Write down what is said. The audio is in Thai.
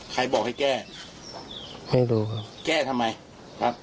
ใครบอกให้แก้ให้ดูครับแก้ทำไมครับ